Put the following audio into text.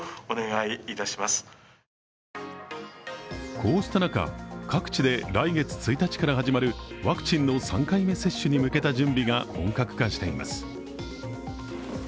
こうした中、各地で来月１日から始まるワクチンの３回目接種に向けた準備が本格化しています。